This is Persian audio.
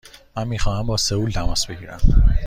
من می خواهم با سئول تماس بگیرم.